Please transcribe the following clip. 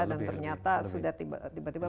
dan ternyata sudah tiba tiba